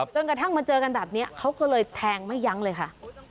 จนกระทั่งมาเจอกันแบบนี้เขาก็เลยแทงไม่ยั้งเลยค่ะ